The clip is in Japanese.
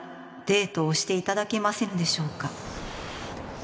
「デートをして頂けませぬでしょうか？」